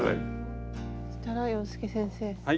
そしたら洋輔先生